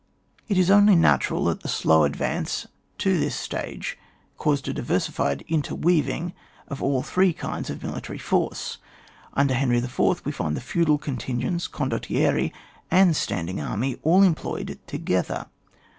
It is only natural that the slow ad vance to tlus stage caused a diversified interweaving of all three kinds of mili tary force. Under Henry IV. we find the feudal contingents, condottieri, and standing army all employed together.